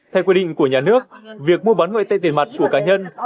theo quy định của nhà nước việc mua bán ngoại tệ tiền mặt của cá nhân